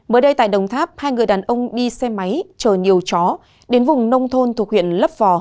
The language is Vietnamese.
mới đây tại đồng tháp hai người đàn ông đi xe máy chờ nhiều chó đến vùng nông thôn thuộc huyện lấp vò